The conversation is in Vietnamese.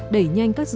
đẩy nhanh các dự kiến